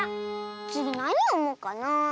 つぎなによもうかなあ。